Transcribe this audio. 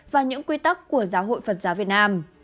và những quy tắc của giáo hội phật giáo việt nam